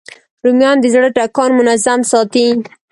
رومیان د زړه ټکان منظم ساتي